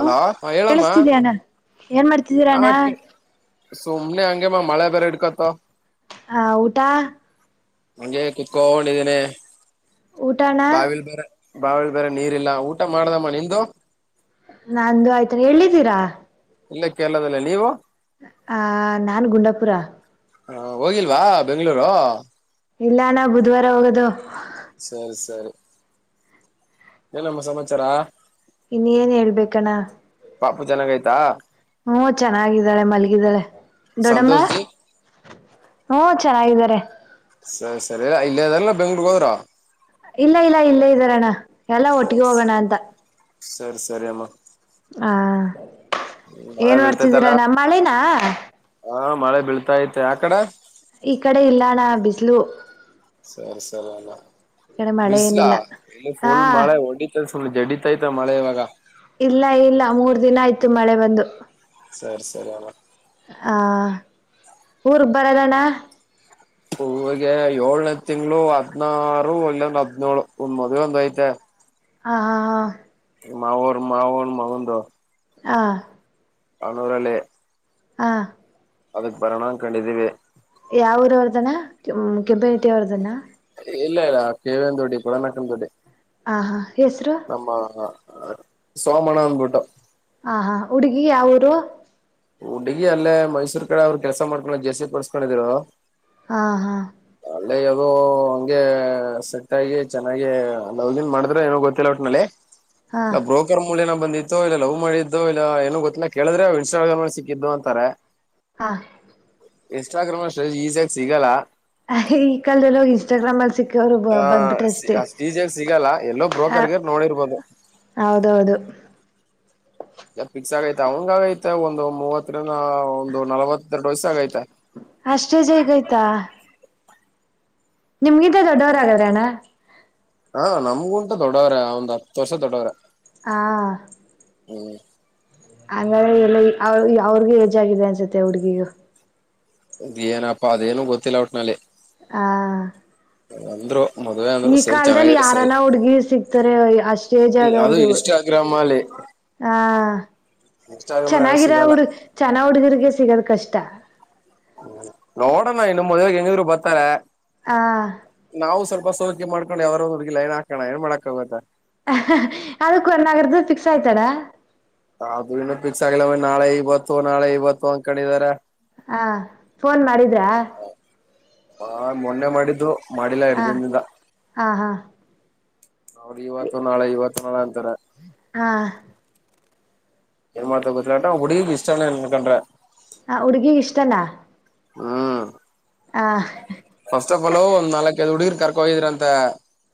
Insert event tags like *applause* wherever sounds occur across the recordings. Hello ಹ ಹೇಳಅಮ್ಮ ಕೇಳಿಸ್ತಿದ್ಯಾ ಅಣ್ಣ ಏನ್ ಮಾಡ್ತಿದ್ದೀರಣ್ಣ ಹಾ ಸುಮನೆ ಅಂಗಮ ಮಳೆ ಡ್ಕತ ಹಾ ಊಟಾ ನಂಗೆ ಕುತ್ಕೊಂಡಿದ್ದೇನೆ ಊಟ ಅಣ್ಣ ಬಾವಲ್ ಬರ ಬಾವಿಲಿ ಬೇರೆ ನೀರಿಲ್ಲ ಊಟ ಮಾಡ್ದಮ್ಮ ನಿಂದು ನಂದು ಆಯ್ತ ಎಲಿದ್ದೀರಾ ಇಲ್ಲೇ ಕೇರಳದಲ್ಲಿ ನೀವು ಆ ನಾನ್ ಗುಂಡಾಪುರ ಹ ಹೋಗಿಲ್ವಾ ಬೆಂಗ್ಗಳೂರು ಇಲ್ಲ ಅಣ್ಣ ಬುಧವಾರ ಹೋಗೋದು ಸರಿ ಸರಿ ಏನಮ್ಮ ಸಮಾಚಾರ ಇನ್ನ ಏನ್ ಹೇಳ್ಬೇಕಣ್ಣ ಪಾಪು ಚೆನ್ನಾಗೈತ ಹ್ಮ ಚೆನ್ನಾಗಿದ್ದಾಳೆ ಮಲಗಿದ್ದಾಳೆ ದೊಡಮ್ಮ ಸಂತೋಷ್ ಜಿ ಹ್ಮ ಚೆನ್ನಾಗಿದ್ದಾಳೆ ತ್ರೇ ಸರಿ ಸರಿ ಇಲ್ಲಿ ಅದಲ್ಲ ಬೆಂಗಳೂರುಗೆ ಹೋದ್ರ ಇಲ್ಲ ಇಲ್ಲ ಇಲ್ಲ ಇದ್ದಾರಣ್ಣ ಎಲ್ಲ ಒಟ್ಟಿಗೆ ಸರಿ ಹೋಗೋಣ ಅಂತ ಸರಿ ಸರಿ ಅಮ್ಮ ಹಾ ಮಳೆ ಏನ್ ಬೀಳ್ತೈತಲ್ಲ ಮಾಡ್ತಿದ್ದೀರಾ ಅಣ್ಣ ಮಳೆನಾ ಹಾ ಮಳೆ ಬೀಳ್ತಾ ಐತೆ ಆ ಕಡೆ ಬಿಸ್ಲು ಸರಿ ಸರಿ ಅಲ್ಲ ಮಳೆ ಬಿಸ್ಲ ಏನಿಲ್ಲ ಇಲ್ಲಿ ಹಾ ಫುಲ್ ಮಳೆ ಹೊಡಿತೈತೆ ಜೆಡಿ ಇಲ್ಲ ಇಲ್ಲ ಮೂರ್ ದಿನ ಆಯ್ತು ಆಯ್ತು ಮಳೆ ಬಂದು ಸರಿ ಸರಿ ಅವ ಹ ಊರ್ಗ್ ಬರದಣ್ಣ ಹೂಗೆ ಏಳ್ನೇ ತಿಂಗಳು ಹದ್ನಾರು ಅಲ್ಲ ಒಂದ ಹದಿ ನೋಳು ಒಂದ್ ಮದ್ವೆ ಒಂದ ಐತೆ ಹಾ ಹಾ ಹಾ ಮಾವರ್ ಮಾವನ ಮಗಂದು ಹಾ ಕ್ಣೂರ ಅಲ್ಲೇ ಹಾ ಅದಕ್ ಪರಿಣಾಮ ಕಂಡಿದ್ದೀವಿ ಯಾವರ ಅವ್ರದಾನ ಕೆಂಪ್ಯುನಿಟಿ ಅವ್ರದನ ಇಲ್ಲ ಇಲ್ಲ ಕೇವಂದ ದೋಡ್ಡಿ ಕೊಡನಾಕ ದೋಡ್ಡಿ ಆಾ ಹಾ ಹೆಸರು ನಮ್ಮ ಹ ಸೋಮಣನ್ಬಟ್ಟ ಹ ಹಾ ಹುಡುಗಿ ಯಾವ ಊರು ಹುಡುಗಿ ಅಲ್ಲೇ ಮೈಸೂರ್ ಕಡೆ ಅವ್ರರು ಕೆಲಸ ಮಾಡ್ಕೊಂಡ ಜೆಸಿ ಕೊಡ್ಸ್ಕೊಂಡಿದ್ರು ಹಾ ಹಾ ಒಳ್ಳೆ ಅದುೋ ಹಂಗೆ ಸೆಟ್ಗಿ ಚೆನ್ನಾಗಿ ಲಗಿನ್ ಮಾಡಿದ್ರೆ ಏನೋ ಗೊತ್ತಿಲ್ಲ ಒಟ್ನಲ್ಲಿ ಹಾ ನಾ ಬ್ರೋಕರ್ ಮೂಲನ ಬಂದಿದ್ದ ಇಲ್ಲ ಲವ್ ಮಾಡಿದ್ದು ಇಲ್ಲ ಏನು ಗೊತ್ತಿಲ್ಲ ಕೇಳಿದ್ರೆ ಇನ್ಸ್ಟಾಗ್ರಾಮ್ ಅಲ್ಲಿ ಸಿಕ್ಕಿದ್ದು ಅಂತಾರೆ ಹಾ ಎಷ್ಟ ಆ ಕ್ರಮ ಅಷ್ಟೇ ಈಸಿ ಆಾಗಿ ಸಿಗಲ್ಲಾ ಈ ಕಾಲ ಎಲ್ಲಾಗ ಇಸ್ಟಾಗ್ರಾಮ್ಲ್ಲಿ ಸಿ ಹ ಅಷ್ಟೀಜಾಗ ಸಿಗಲ್ಲ ಎಲ್ಲೋ ಬ್ರೋಕರ್ಗರ್ ನೋಡಿರ್ಬೋದು ಹೌದೌದು ಯ ಪಿಕ್ಷ ಅವಂಗಗೈತೆ ಒಂದು ಮೂವತ್ತರಿಂದ ಒಂದು ನಲವತ್ತು ಅಷ್ಟೇ ಜೈಗಯ್ತಾ ನಿಮ್ಗಿಂದ ದೊಡ್ಡವರ ಆಗಾದ್ರ ಅಣ್ಣ ಹಾ ನಮ್ಗುಂಟಾ ದೊಡ್ಡವ್ರ ಒಂದ್ ಹತ್ತು ವರ್ಷ ದೊಡ್ಡವ್ರ ಹಾ ಹ್ಮ್ ಅಂಗ್ರ ಎಲ್ಲ ಅವ ಅವ್ರಿಗೂ ಹೆಜ್ ಆಗಿದೆ ಅನ್ಸತ್ತೆ ಹುಡ್ಗಿಗೂ ಅದ್ ಏನಪ್ಪಾ ಅದೇನು ಗೊತ್ತಿಲ್ಲ ಒಟ್ನಲ್ಲಿ ಆ ಒಂದ್ರು ಈ ಕಾಲದಲ್ಲಿ ಯಾರನ ಹುಡ್ಗಿ ಸಿಗ್ತಾರೆ ಈ- ಅದು ಅಷ್ಟೇಜದವ್ರಗೆ ಇನ್ಸ್ಟಾಗ್ರಾಮ್ ಅಲ್ಲಿ ಆ ಇನ್ಸ್ಟಾಗ್ರಾಮ್ ಅಲ್ಲಿ ಯಾರು ಚೆನ್ನಾಗಿರ ಸಿಗಲ್ಲ ಹುಡ್ಗಿ ಚೆನ್ನ ಹುಡ್ಗಿರ್ರಿಗೆ ಸಿಗದ ಕಷ್ಟ ನೋಡೋಣ ಇನ್ನು ಮದ್ವೆಗೆ ಹೆಂಗಿದ್ರು ಬರ್ತಾರೆ ಆ ನಾವು ಸ್ವಲ್ಪ ಸೌಕೆ ಮಾಡ್ವಿ ಅವರ ಒಂದು ಹುಗಿೈ ಹಾಕಣ ಏನ್ ಮಾಡಕ್ಕಾಗೋಗುತ್ತಾ ಅದಕ್ಕ ಒಗರದ ಫಿಕ್ಸ್ ಆಯ್ತಾರ ಅದು ಇನ್ನು ಪಿಕ್ಸ್ ಆಗ್ಿಲ್ಲ ಮ ನಾಳೆ ಇವತ್ತು ನಾಳೆ ಇವತ್ತು ಅಂಗ ಕೊಂಡಿದಿದ್ದಾರೆ ಹಾ ಫೋನ್ ಮಾಡಿದ್ರಾ ಹಾ ಮೊನ್ನೆ ಮಾಡಿದ್ದು ಮಾಡಿಲ್ಲಾ ಆ ಇರ್್ದಿನಿಂದ ಹಾ ಹಾ ಅವ್ರ ಇವತ್ತು ನಾಳೆ ಇವತ್ತು ನಾಳ ಅಂತಾರ ಹಾ ನ್ ಮಾಡ್ತ ಗೊಲಾ ಉಡ ಇಷ್ಟನಕೊಂಡ್ರೆ ಹ ಉಡುಗಿ ಇಷ್ಟಲ್ಲ ಹ್ಮ್ ಆ ಹೊವಸ ಪಲವುಂದ್ ನಾಲ್ಕೈದು್ ಹುಡುಗಿರ್ ಕರ್ಕೊ ಹೋಗಿದ್ರಂತ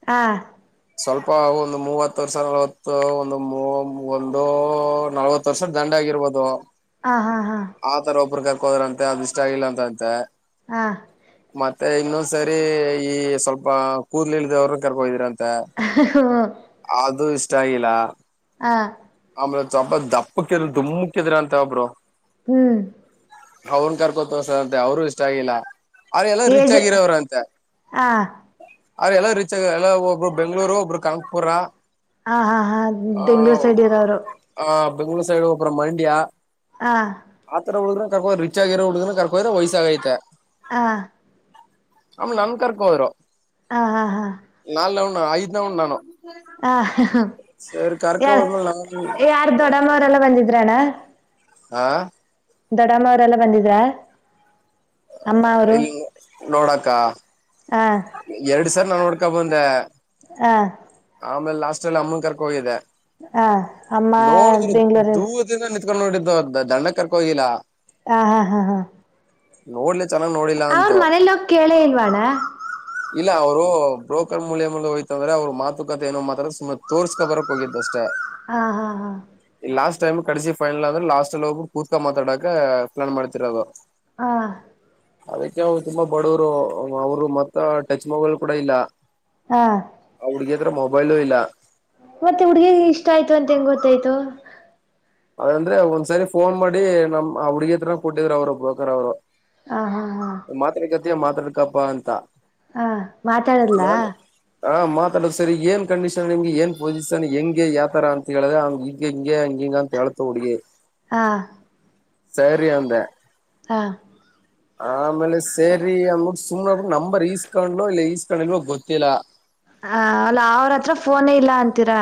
ಹಾ ಸ್ವಲ್ಪ ಒಂದು ಮೂವತ್ತು ವರ್ಷ ನಲ್ವತ್ತು ಒಂದು ಒಂದು ನಲ್ವತ್ತು ವರ್ಷ ದಂಡ ಆಗಿರ್ಬೋದು ಆ ಹಾ ಹಾ ಆ ತರ ಪರು ಹಕ್ಕೋದ್ರಂತೆ ಅದ್ ಇಷ್ಟ ಆಗಿಲ್ಲ ಅಂತಂತೆ ಹಾ ಮತ್ತೆ ಇನ್ನೊಂದ್ ಸರಿ ಈ ಸ್ವಲ್ಪ ಕೂದ್ಲಿ ಇಳ್ದವರು ಕರ್ಕೊಿದಿರ ಅಂತ ಅದು ಇಷ್ಟ ೈಲಾ ಹ ದಪ್ಪಕ್ಕಿದ್ರ ದುಮಕ್ಕಿದ್ರ ಅಂತ ಒಬ್ರು ಹ್ಮ್ ಅವನ್ ಕರ್ಕೊತಸ ಅಂತೆ ಅವರು ಇಷ್ಟ ಆಗಿಲ್ಲ ಅವ್ರ ಎಲ್ಲ ರಿಚ್ ಏಜ್ ಆಗಿರವ್ರಂತೆ ಆ ಅವ್ರ ಎಲ್ಲ ರೀಚ್ ಆಗ ಎಲ್ಲ ಒಬ್ರು ಬೆಂಗ್ಗಳೂರು ಒಬ್ರು ಕಾಕ್ಪುರ ಹಾ ಹಾ ಹಾ ಬೆಂಗ್ಳೂರ್ ಸೈಡ್ ಇದದಾವರು ಆ ಬೆಂಗಳೂರು ಸೈಡು ಅಪರ ಮಂಡಿಯಾ ಆತರ ಹೋದ್ರ ಕರ್ಕೋ ರಿಚ್ ಆಗಿೋ ಹುಡುಗ ಕರ್ಕೋ್ರ ವಯಸ್ಸಾಗೈತೆ ಹ ಆಲೆ ನನ್ ಕರ್ಕೋದ್ರು ಹಾ ಹಾ ಹಾ ಹ ಐದ್ ಉ್ ನಾನು ಹ ಸರಿ ಯ ಕರ್ಕ ಹೋದ್ಮೇಲೆ ನಾನು ಯಾರ್ ದೊಡಮ್ಮವರೆಲ್ಲ ಬಂದಿದ್ರಣ್ಣ ಆಾ ದೊಡಮ್ಮ ಅವರೆಲ್ಲ ಬಂದಿದ್ರ ಅಮ್ಮ ಅವರು ಇಲ್ಲಿ ನೋಡಕ್ಕ ಹಾ ಎರಡು ಸರ್ ನಾ ನೋಡ್ ಕಬಂದ ಹಾ ಸಲ್ ಅಮ್ಮಂಗರ್ ಕೋಿದೆ ಹಾ ಅಮ್ಮ ಬೆಂಗ್ಗಳೂರು ಕಕೊಂಡ ನೋಡಿದ್ದು ದಂಡ ಕರ್ಕ ಹೋಗಿಲ್ಲಾ ಹ ಹಾ ಹಾ ಹಾ ನೋಡ್ಲಿ ಚೆನ್ನಾಗ್ ನೋಡಿಲ್ಲ ಅವ್ರ ಅಂತು ಮನೇಲಿ ಹೋಗ ಕೇಳೇ ಇಲ್ವಣ್ಣ ಇಲ್ಲ ಅವರು ಬ್ರೋಕರ್ ಮೂಲ್ಯ ಹಯ್ತಂದ್ರ ಅವ್ರ ಮಾತುಕತೆ ಏನೋ ಮಾತ್ರ ಸುಮ ತೋರ್ಸ್ಕೊ ಬರಕ್ ಹೋಗಿದ್ದ್ ಅಷ್ಟೇ ಹಾ ಹಾ ಹಾ ಲಾಸ್ಟ್ ಟೈಮ್ ಕರೆಸಿ ಫೈನಲ್ ಅಂದ್ರೆ ಲಾಸ್ಟ್ ಒಬ್ಬರು ಕೂತ್ಕ ಮಾತಾಡಕ ಪ್ಲಾನ್ ಮಾಡ್ತಿರೋದು ಹಾ ಅದಕ್ಕೆ ತುಂಬಾ ಬಡವರು ಅವರು ಮ ಟಚ್ ಮೊಬೈಲ್ ಕೂಡ ಇಲ್ಲ ಹಾ ಹಡುಗಿಯತ್ರ ಮೊಬೈಲ ಇಲ್ಲ ಮತ್ತೆ ಹುಡ್ಗಿ ಇಷ್ಟ ಆಯ್ತು ಅಂತ ಹೆಂಗ ಗೊತ್ತಾಯ್ತು ಅದಂದ್ರೆ ಒಂದ್ಸರಿ ಫೋನ್ ಮಾಡಿ ನಮ್ ಹುಡ್ಗಿ ಹತ್ರನ ಕೊಟ್ಟಿದ್ರು ಅವ್ರ ಬ್ರೋಕರ್ ಅವ್ರು ಹ ಹಾ ಹಾ ಮಾತಾಡೋಕೆ ಮಾತಾಡ್ಕಪ್ಪಾ ಅಂತ ಹಾ ಮಾತಾಡ್ಲ ನಾನು ಹ ಮಾತಾಡೋದು ಸರಿ ಏನ್ ಕಂಡೀಷನ್ ನಿಮಗೆ ಏನ್ ಪೊಸಿಷನ್ ಹೆಂಗೆ ಯಾವತರ ಅಂತ ಹೇಳಿದೆಂಗ ಹ ಹಿಂ ಹಂಗ ಹಿಂಗ ಹೇಳಿತು ಹುಡುಗಿ ಹಾ ಸರಿ ಅಂದೇ ಹಾ ಆಮೇಲೆ ಸೇರಿ ಅಂದ್ಬಿಟ್ಟು ಸುಮ್ನೆಬಟ್ಟ ನಂಬರ್ ಈಸ್ಕೊಂಡ್ಲು ಇಲ್ಲ ಈಸ್ಕಂಡ್ ಇಲ್ವ ಗೊತ್ತಿಲ್ಲ ಹ ಅಲ್ಲ ಅವ್ರ ಹತ್ರ ಫೋನೇ ಇಲ್ಲ ಅಂತೀರ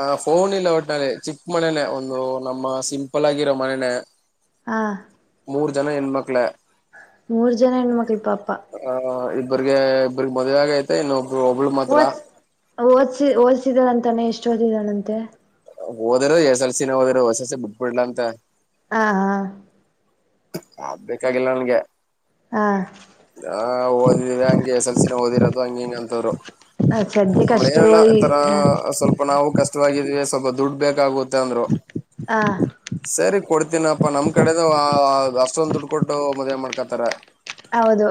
ಆ ಫೋನ್ ಇಲ್ಲ ಒಟ್ ನ ಚಿಕ್ಕ ಮನೆನೆೇ ಒಂದು ನಮ್ಮ ಸಿಂಪಲ್ ಆಗಿರೋ ಮನೆನೆೇ ಹಾ ಮೂರು ಜನ ಹೆಣ್ಮಕ್ಕಳೆ ಮೂರು ಜನ ಹೆಣ್ಮಕ್ಳ ಪಾಪ ಇಬ್ರ್ರಿಗೆ ಇಬ್ರ ಮದುವೆಹಾಗೈತೆ ಇನ್ನು ಓದ ಓದ್ಸಿ ಓದಸಿದರ ಅಂತಾನೆ ಎಷ್ಟು ಓದಿದಳಂತೆ ಓದಿರೋದೇ ಎಸ್ ಎಲ್ ಸಿ ಓದಿರೋದು ಎಸ್ ಎಲ್ ಸಿ ಬಿಟಿಬಿಟ್ಟುಲು ಅಂತೆ ಹಾ ಹಾ ಆಡ್ಬೇಕಾಗಿಲ್ಲ ನನ್ಗೆ ಹಾ ನ ಓದ್ರ ಹಂಗೆ ಎಸ್ ಎಲ್ಸಿನ ಓದಿರೋದು ಹಂಗ ಹಿಂಗ ಅಂತವ್ರು ಹ ಸದ್ಯಕ್ಕೆ ಆಮೇಲೆ ಅಷ್ಟು ಹೇಳಿದ್ರು ಈ ಈತರ ಹ ಸ್ವಲ್ಪ ನಾವು ಕಷ್ಟ ಸ್ವಲ್ಪ ದುಡ್ ಬೇಕಾಗುತ್ತೆ ಅಂದ್ರು ಸರಿ ಕೊಡ್ತೀನಪ್ಪ ನಮ್ ಕಡೆದು ಅಷ್ಟೊಂದು ದುಡ್ಡು ಕೊಟ್ಟು ಮದ್ವೆೆ ಮಾಡ್ಕೊತಾರೇ ಹೌದು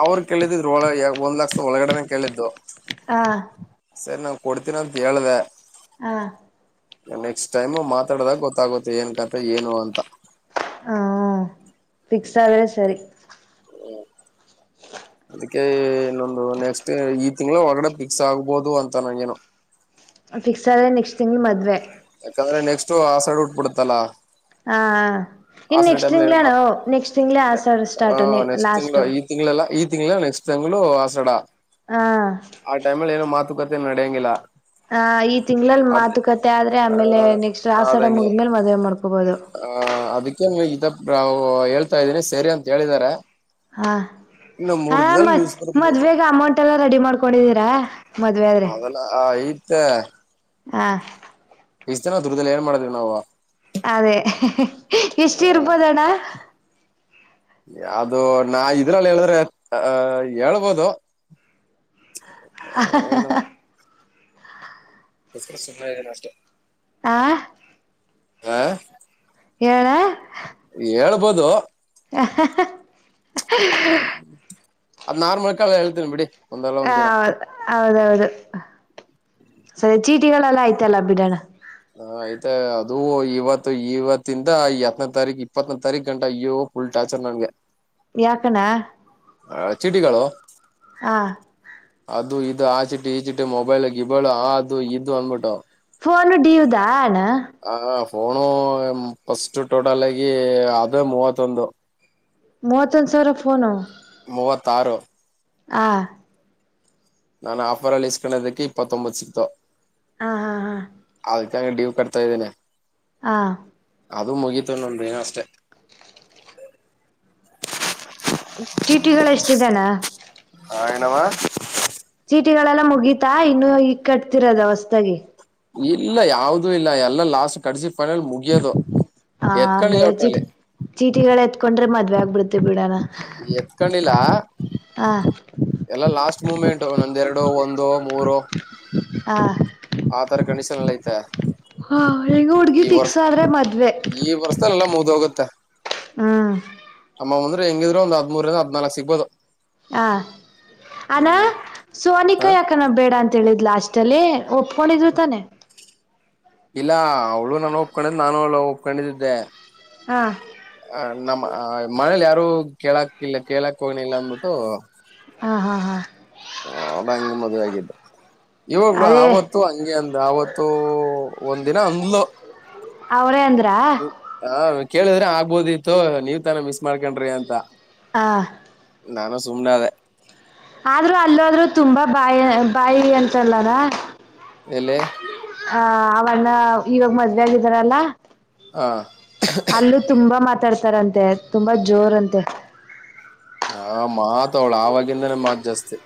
ಅವರು ಕೇಳಿದ ಒಂದ್ ಲಕ್ಷ ಒಳಗಡೆನೆ ಕೇಳಿದ್ದು ಹಾ ಸರಿ ನಾನ್ ಕೊಡ್ತೀನೀ ಅಂತ ಹೇಳ್ದ ಹಾ ನೆಕ್ಸ್ಟ್ ಟೈಮ್ ಮಾತಾಡದಾಗ ಗೊತ್ತಾಗುತ್ತೆ ಏನ್ ಕತೆೆ ಏನು ಅಂತ ಹಾ ಫಿಕ್ಸ್ ಆದೆ ಸರಿ ಹ್ಮ ಅದಕ್ಕೆ ಇನ್ನೊಂದು ನೆಕ್ಸ್ಟ್ ಈ ತಿಂಗಂಗಳು ಒರ್ಗಡೆ ಫಿಕ್ಸ್ ಆಗ್ಬೋದು ಅಂತ ನಂಗ ೇನು ಫಿಕ್ಸ್ ಆದೆ ನೆಕ್ಸ್ಟ್ ತಿಂಗ್ಳ ಮದ್ವೆ ಯಾಕಂದ್ರೆ ನೆಕ್ಸ್ಟ್ು ಆಸಾಡ್ ಉಟ್ಬಿಡುತ್ತಲ್ಲಾ ಹಾ ಹ ಇನ್ ನೆಕ್ಸ್ಟ್ ತಿಂಗ್ಳೇಣ ನೆಕ್ಸ್ಟ್ ತಿಂಗ್ಳೇ ಆಸ ಸ್ಟಾರ್ಟು ನೆಕ್ಸ್ಟ್ ಲಾಸ್ಟ್ ತಿಂಗಳು ಈ ತಿಂಗಳೆಲ್ಲ ಈ ತಿಂಗಳ ನೆಕ್ಸ್ಟ್ ಟೈಮ್ ಆಸಡಾ ಹ ಆ ಟೈಮಲ್ಲಿ ಏನು ಏನು ಮಾತು ಕ ನಡೆಯಂಗಿಲ್ಲಾ ಹ ಈ ತಿಂಗಳಲ್ ಮಾತುಕತೆ ಆದ್ರೆ ಆಮೇಲೆ ನೆಕ್ಸ್ಟ್ ಆ ಆಸಡ ಅದಂಗೆ ಮುಗಿದ್ಮೇಲೆ ಮದ್ುವೆ ಮಾಡ್ಕೋಬೋದು ಆ ಅದಕ್ಕೆ ಇದ ಹೇಳ್ತಾ ಇದೀನಿ ಸರಿ ಅಂತ ಹೇಳಿದಿದ್ದಾರೆ ಹಾ ಇನ್ನು ಹ ಮೂರ್ ದಿನದಲ್ಲಿ ಮತ್ ನ್ಯೂಸ್ ಮದ್ ಬರ್ಬೋದು ಬೇಗ ಅಮೌಂಟ್ ಎಲ್ಲಾ ರೆಡಿ ಮಾಡ್ಕೊ ಕೊಡಿದ್ದೀರಾ ಹೆಲ್ಲ ಆ ಈ ಎ ಹಾ ಇಷ್ಟ ದಿನ ದ ದುರ್ದಲ್ಲಿ ಏನ್ ಮಾಡಿದೀವಿ ನಾವು ಅದೇ ಎಷ್ಟ ಇರ್ಬೋದಣ್ಣ ಯಾವದು ನಾ ಇದ್ರಲ್ಲಿ ಹೇಳಿದ್ರೆ ಅಹ ಹೇಳ್ಬೋದು ಏನು ಆ ಸುದೆ ನಷ್ಟ *unintelligible* ಆ ಹಾ ಏಳಾ ಇರ್ಬೋದು. ಹ್ಮ ಅದ್ ನಾರ್ಮಲ್ ಕಕಾಲಲ್ಲಿ ಹೇಳ್ತೀನಿ ಬಿಡಿ ಒಂದಲ್ಲ ಹ ಒಂದ್ ದಿನ ಹೌ ಹೌದೌದು ಸರಿ ಚೀಟಿಗಳೆಲ್ಲ ಆಯ್ತಲ್ಲ ಬಿಡಣ್ಣಾ ಹ ಆಯ್ತ ಅದು ಇವತ್ತು ಇವತ್ತಿಂದ ಹತ್ತನ ತಾರೀಕ ಇಪ್ಪತ್ತನ ತಾರೀಕ ಗಂಟ ಅಯ್ಯೋ ಫುಲ್ ಟಾಚರ್ ನನ್ಗೆ ಯಾಕಣ ಚೀಟಿಗಳು ಹಾ. ಅದು ಇದು ಆಚಿಟ್ಟಿ ಈಚಿಟ್ಟೀ ಮೊಬೈಲು ಗಿಬೈಲು ಆದು ಇದು ಅನ್ಬಿಟ್ಟು. ಫೋನು ಡಿವುದಾ ಅಣ್ಣಾ ಹ ಫೋನು ಫಸ್ಟ್ ಟೋಟಲ್ ಆಗಿ ಅದು ಮೂವತ್ತೊಂದು ಮೂವತ್ವಂದು ಸಾವರಾ ಫೋನು. ಮೂವತ್ತ ಆರು. ಆ ನಾನ್ ಆಫರಲ್ಲಿ ಇಸ್ಕೊಂಡದಕ್ಕೆ ಇಪ್ಪತ್ತೊಂಬತ್ತು ಸಿಕ್ತು. ಹಾ ಹಾ ಹಾ ಡಿವ್ ಕಟ್ತಾ ಇದಿನಿ ಹಾ. ಅದು ಮುಗಿತು ಇನ್ನ ಒಂದ ದಿನಾ ಅಷ್ಟೇ. ಚೀಟಿಗಳು ಎಷ್ಟ ಇದೆ ಅಣ್ಣಾ ಹಾ ಏನಮ್ಮ ಚೀಟಿಗಳೆಲ್ಲ ಮುಗಿತಾ ಇನ್ನುೂ ಈಗ್ ಕಟ್ತಿರದ ಹೊಸದಾಗಿ. ಇಲ್ಲ ಯಾವ್ದ ಇಲ್ಲ ಎಲ್ಲ ಲಾಸ್ ಕಡಸಿ ಹಾ ಹಂಗಾದ್ರೆ ಚೀಟಿ ಒಟ್ನಲ್ಲಿ ಚೀಟಿಗಳ ಎತ್ಕೊಂಡ್ರೆ ಮದ್ವೆ ಆಗ್ಬಿಡುತ್ತೆ ಬಿಡಣ ಎತ್ಕೊಂಡಿಲ್ಲಾ ಹ ಎಲ್ಲ ಲಾಸ್ಟ್ ಮೂಮೆಂಟ್ ನಂದ ಎರಡು ಒಂದು ಮೂರು ಹ ಆತರ ಕಣಿಸ *unintelligible* ಐತಾ ಹಾ ಇಲ್ಲ ಇನ್ನೂ ಹುಡ್ಗಿ ಫಿಕ್ಸ್ ಆದ್ರೆ ಮದ್ವೆ ಥಾ ಹ್ಮ್ ಹ್ಮ್ ಅಂದ್ರೆ ಹೆಂಗಿದ್ರು ಒಂದ್ ಹದಿಮೂರಿಂದ ಹದ್ನಾಲ್ಕ್ ಸಿಗ್ಬೋದು ಹ ಅನಾ ಹ ಸೋನಿಕಾ ಯಾಕಾನ ಬೇಡ ಅಂತ ಅಂತ್ ಹೇಳಿದ್ ಲಾಸ್ಟ್ ಅಲ್ಲಿ ಒಪ್ಪಿಕೊಂಡಿದ್ಲು ತಾನೆ ಇಲ್ಲ ಅವಳು ನನ್ ಲವ್ ಒಪ್ಕೊಂಡಿದ್ದೆ ನಾನು ಅವಳ್ ಲವ್ ಒಪ್ಕೊಂಡಿದ್ದಿದ್ದೆ ಹಾ ಹ ನಮ್ಮ ಮನೇಲಿ ಯಾರು ಕೇಳಕ್ತಿಲ್ಲ ಕೇಳಕ್ ಕನಲ್ಲ ಮುಟ್ಟು ವಾ ಹ ಅ ಹಂಗೆ ಮದ್ವೆ ಆಗಿದ್ದ ಇವಾಗ ಅದೇ ಆತ್ತು ಹಂಗೆ ಅಂದ ಆತ್ತುೂ ಒಂದ ದಿನ ಅಂಗ್ಲ ಅವಳೇ ಅಂದ್ರ ಆ, ಕೇಳಿದ್ರೆ ಆಗ್ಬೋದಿತ್ತು ನೀವ್ ತಾನ ಮಿಸ್ ಮಾಡ್ಕೊಂಡ್ರಿ ಅಂತ ಹ ನಾನು ಸುನೆಾದೆ ಆದ್ರೂ ಅಲ್ಲಾದ್ರೂ ತುಂಬಾ ಬಾಯಿ ಬಾಯಿ ಅಂತಲ್ಲದ ಎಲೆ ಆ ಅವನ್ನ ಇವಾಗ ಮದ್ವೆೆ ಆಗಿದಾರಲ್ಲಾ ಹಾ ತುಂಬಾ ಮಾತಾಡ್ತಾರಂತೆ ತುಂಬಾ ಜೋರ ಅಂತೆ. ಹಾ ಮಾತ್ ಅವಳು ಆವಾಗಿಂದಾನೇ ಮಾತ್ ಜಾಸ್ತಿ.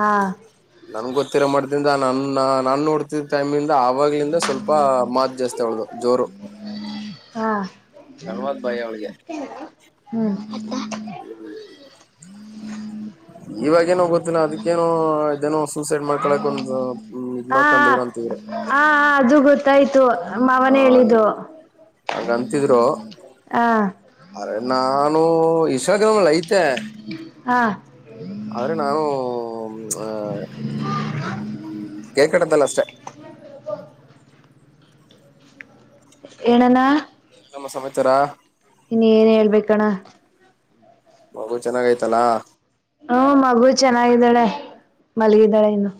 ಹಾ ನನ್ ಗೊತ್ತಿರ ಮಾಡ್ದ ತಾ ನನ್ನ ನನ್ನುಡ್ತ ತಮಿ ಆಾಗ್ಲಿಂದ ಸ್ವಲ್ಪ ಮಾತ್ ಜಾಸ್ತಿ ಅವಳ್ದು ಜೋರು ಹಾ ಗನ್ವತ್ ಬಾಯಿ ಅವಳಿಗೆ. ಹ ಹ್ಮ ಇವಾಗಏನೋ ಗೊತ್ತಿಲ್ಲ ಅದಕ್ಕೇನು ಇದೇನೋ ಸೂಸೈಡ್ ಮಾಡ್ಕೊಳ್ಳಕ್ ಒಂದ್ ಇದ್ ಹಾ ಮಾಡ್ಕೊಂಡಿದ್ರ ಅಂತಿದ್ರ. ಹಾ ಅದು ಗೊತ್ತಾಯ್ತು ಮಾವನ ಹೇಳಿದ್ದು. ಹಾಗಂಗಂತಿದ್ರು. ಹಾ ಅ ನಾನು ಇಸ್ಟಾಗ್ರಾಮ್ ಅಲ್ಲಿ ಐತೆ. ಹಾ ಆದ್ರೆ ನಾನು ಹ ಕೇಕ್ಟ್ದಲ್ಲ ಅಷ್ಟೆ. ಏಣನಾ ನಮ್ಮ ಸಮತಾರಾ ಇನ್ನು ಏನ್ ಹೇಳ್ಬೇಕಣ್ಣ. ಬಗು ಚೆನ್ನಾಗೈತಲ್ಲಾ? ಹ್ಮ ಮಗು ಚೆನ್ನಾಗಿದ್ದಾಳೆ ಮಲಗಿದ್ದಾಳೆ ಇನ್ನು.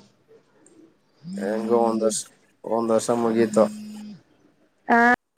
ಹ ಗೋಂದಸ್ ಹಂದು ವರ್ಷ ಮುಗೀತ ಹ